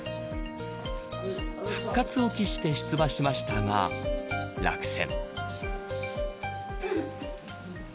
復活を期して出馬しましたが落選。